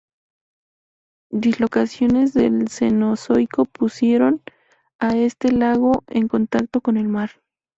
Dislocaciones del Cenozoico pusieron a este lago en contacto con el mar.